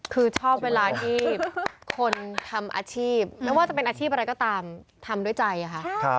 คือชอบเวลาที่คนทำอาชีพไม่ว่าจะเป็นอาชีพอะไรก็ตามทำด้วยใจค่ะ